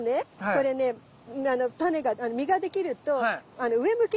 これねタネが実ができると上向きにね開くの。